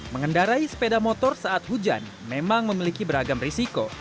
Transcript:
mengendarai sepeda motor saat hujan memang memiliki beragam risiko